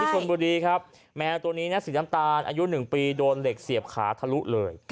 ชนบุรีครับแมวตัวนี้นะสีน้ำตาลอายุ๑ปีโดนเหล็กเสียบขาทะลุเลย